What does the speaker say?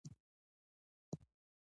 د ماش ګل د لکو لپاره وکاروئ